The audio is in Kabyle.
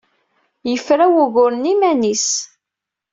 Yefra wugur-nni iman-is.